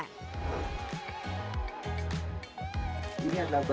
untuk terus dikembangkan dan dipromosikan